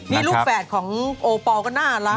นี่ลูกแฝดของโอปอลก็น่ารัก